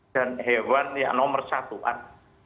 dan hewan yang nomor satu an